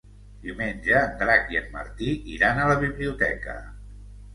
Diumenge en Drac i en Martí iran a la biblioteca.